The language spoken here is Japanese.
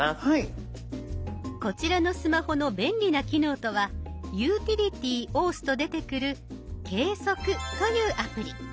こちらのスマホの便利な機能とは「ユーティリティ」を押すと出てくる「計測」というアプリ。